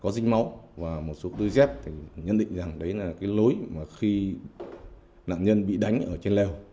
đó và một số đôi dép thì nhận định rằng đấy là cái lối mà khi nạn nhân bị đánh ở trên leo